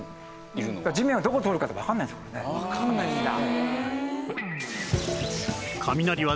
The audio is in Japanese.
わからないんだ。